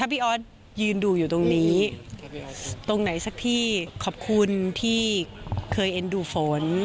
พี่ออสยืนดูอยู่ตรงนี้ตรงไหนสักที่ขอบคุณที่เคยเอ็นดูฝน